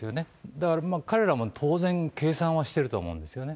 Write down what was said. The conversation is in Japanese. だから彼らも、当然、計算はしてると思うんですよね。